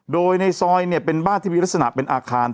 โดยในซอยเนี่ยเป็นบ้านที่มีลักษณะเป็นอาคาร